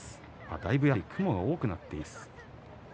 だいぶやはり雲が多くなっています。